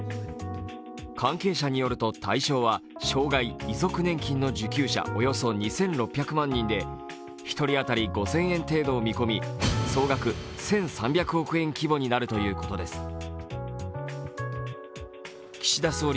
関係者によると、対象は障害・遺族年金の受給者およそ２６００万人で１人当たり５０００円程度を見込み総額１３００億円規模になるということです。